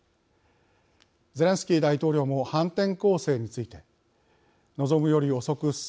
ゼレンスキー大統領も反転攻勢について「望むより遅く進んでいる。